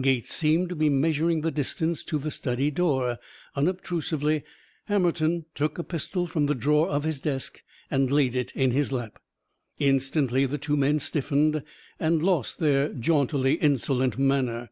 Gates seemed to be measuring the distance to the study door. Unobtrusively, Hammerton took a pistol from the drawer of his desk and laid it in his lap. Instantly the two men stiffened and lost their jauntily insolent manner.